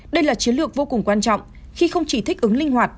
đây là chiến lược vô cùng quan trọng khi không chỉ thích ứng linh hoạt